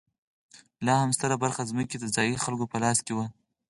لا هم ستره برخه ځمکې د ځايي خلکو په لاس کې وه.